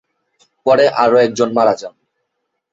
পরে আরও একজন মারা যান।